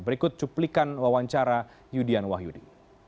berikut cuplikan wawancara yudhian wahyudi